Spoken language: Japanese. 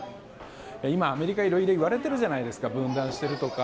今、アメリカいろいろ言われているじゃないですか。